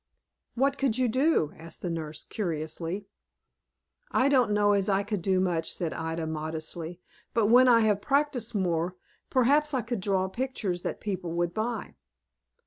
"What could you do?" asked the nurse, curiously. "I don't know as I could do much," said Ida, modestly; "but when I have practised more, perhaps I could draw pictures that people would buy."